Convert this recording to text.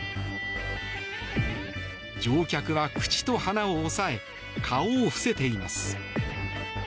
乗客は口と鼻を押さえ顔を伏せています。